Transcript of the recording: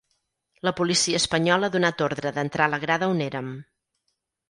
La policia espanyola ha donat ordre d’entrar a la grada on érem.